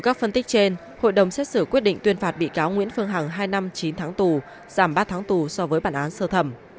hai năm chín tháng tù giảm ba tháng tù so với bản án sơ thẩm